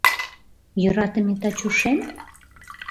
Йӧратыме Тачушем?